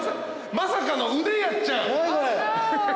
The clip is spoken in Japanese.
まさかの腕やっちゃう。